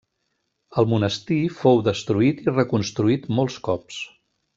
El monestir fou destruït i reconstruït molts cops.